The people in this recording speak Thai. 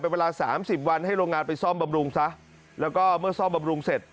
เวลาสามสิบวันให้โรงงานไปซ่อมบำรุงซะแล้วก็เมื่อซ่อมบำรุงเสร็จ